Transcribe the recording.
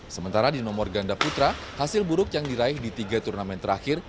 sementara di nomor ganda putra hasil buruk yang diraih di tiga turnamen terakhir